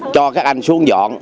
cho các anh xuống dọn